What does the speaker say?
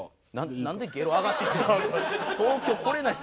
なんでゲロあがってきてるんですか？